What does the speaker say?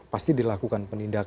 pasti dilakukan penindakan